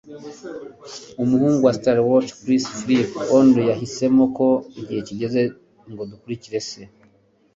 Umuhungu wa stalwart, Chris Phillips, Olly, yahisemo ko igihe kigeze ngo dukurikire se.